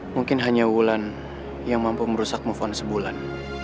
mungkin hanya wulan yang mampu merusak mufon sebulan